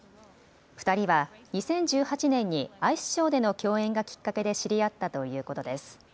２人は２０１８年にアイスショーでの共演がきっかけで知り合ったということです。